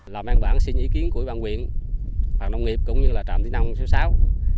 làm em bản xin ý kiến của bản quyền bản nông nghiệp cũng như là trạm tính năng số sáu